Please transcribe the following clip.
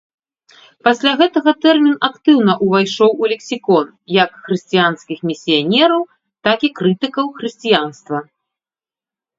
Пасля гэтага тэрмін актыўна ўвайшоў у лексікон, як хрысціянскіх місіянераў, так і крытыкаў хрысціянства.